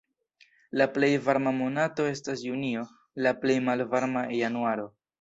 La plej varma monato estas junio, la plej malvarma januaro.